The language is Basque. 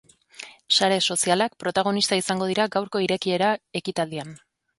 Sare sozialak protagonista izango dira gaurko irekiera ekitaldian.